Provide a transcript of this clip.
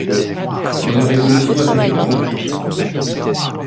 Mais la Révolution a passé par là !…